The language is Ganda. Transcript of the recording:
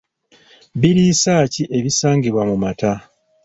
Biriisa ki ebisangibwa mu mata?